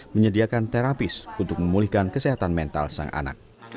menyediakan terapis untuk memulihkan kesehatan mental sang anak